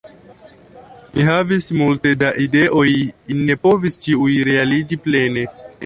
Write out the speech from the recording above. Mi havis multe da ideoj ili ne povis ĉiuj realiĝi plene.